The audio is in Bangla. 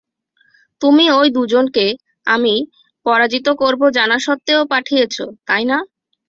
তুমি ওই দুজনকে আমি পরাজিত করবো জানা সত্ত্বেও পাঠিয়েছো, তাই না?